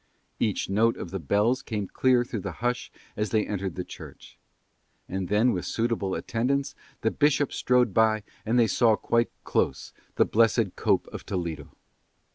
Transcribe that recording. Each note of the bells came clear through the hush as they entered the church. And then with suitable attendants the bishop strode by and they saw quite close the blessed cope of Toledo.